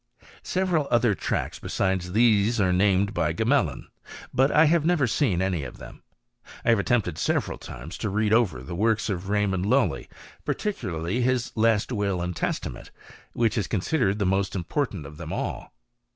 Several other tracts besides these are named b Gmelin ; but I have never seen any of them. I havi attempted several times to read over the works Raymond Lully, particularly his Last Will and Tes tament, which is considered the most important o€ them all.